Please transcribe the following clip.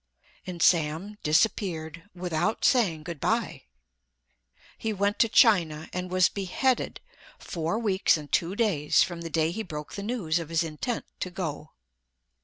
And Sam disappeared, without saying good by. He went to China and was beheaded, four weeks and two days from the day he broke the news of his intent to go.